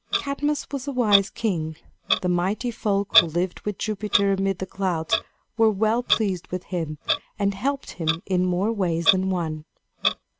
Cadmus was a wise king. The Mighty Folk who lived with Jupiter amid the clouds were well pleased with him and helped him in more ways than one.